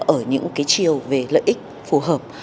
ở những cái chiều về lợi ích phù hợp